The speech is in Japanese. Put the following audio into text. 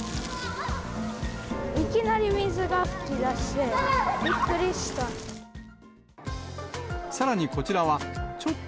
いきなり水が噴き出して、さらにこちらは、３、２、１、バンジー！